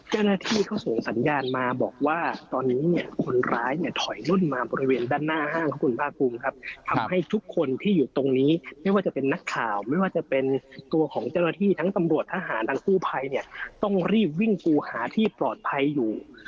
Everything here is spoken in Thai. เจ้าหน้าที่เขาส่งสัญญาณมาบอกว่าตอนนี้เนี่ยคนร้ายเนี่ยถอยรุ่นมาบริเวณด้านหน้าห้างครับคุณภาคภูมิครับทำให้ทุกคนที่อยู่ตรงนี้ไม่ว่าจะเป็นนักข่าวไม่ว่าจะเป็นตัวของเจ้าหน้าที่ทั้งตำรวจทหารทั้งกู้ภัยเนี่ยต้องรีบวิ่งกูหาที่ปลอดภัยอยู่